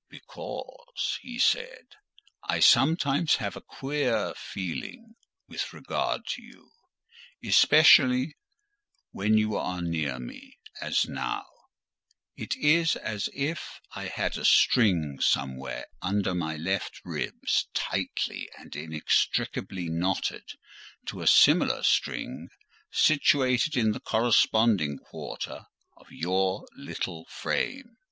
"Because," he said, "I sometimes have a queer feeling with regard to you—especially when you are near me, as now: it is as if I had a string somewhere under my left ribs, tightly and inextricably knotted to a similar string situated in the corresponding quarter of your little frame.